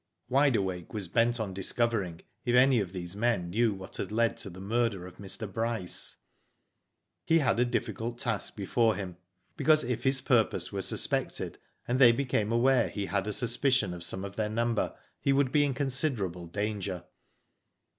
Wide Awake was bent upon discovering if any of these men knew what had led to the murder of Mr. Bryce. He had a difficult task before him, because if his purpose were suspected, and they became aware he had a suspicion of some of their number, he would be in considerable danger.